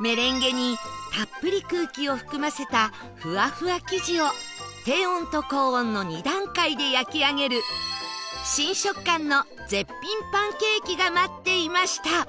メレンゲにたっぷり空気を含ませたフワフワ生地を低温と高温の２段階で焼き上げる新食感の絶品パンケーキが待っていました